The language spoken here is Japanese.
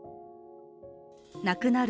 亡くなる